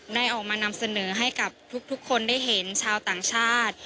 ได้ออกมานำเสนอให้กับทุกคนได้เห็นชาวต่างชาติ